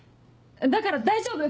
だから大丈夫！